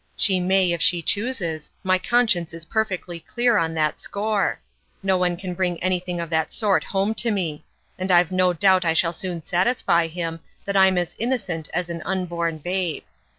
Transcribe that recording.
She may, if she chooses ; my conscience is perfectly clear on that score. No one can bring any thing of the sort home to me; and I've no doubt I shall soon satisfy him that I'm as inno cent as an unborn babe.